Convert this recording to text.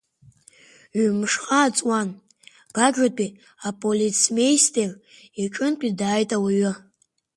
Ҩы-мшҟа ааҵуаны, Гагратәи аполицмеистер иҿынтә дааит ауаҩы.